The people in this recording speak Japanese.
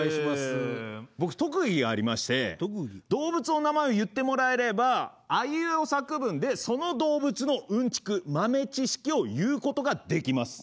僕特技がありまして動物の名前を言ってもらえればあいうえお作文でその動物のうんちく豆知識を言うことができます。